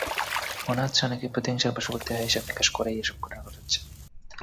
মনে হচ্ছে, অনেকেই প্রতিহিংসার বশবর্তী হয়ে হিসাব-নিকাশ করেই এসব ঘটনা ঘটাচ্ছে।